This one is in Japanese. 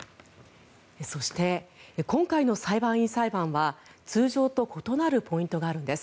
そして、今回の裁判員裁判は通常と異なるポイントがあるんです。